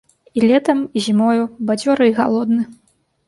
І летам і зімою бадзёры і галодны.